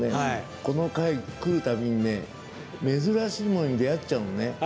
ここに来るたびに珍しいのに出会っちゃうね。